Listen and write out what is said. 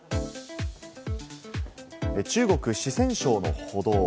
中国・四川省の歩道。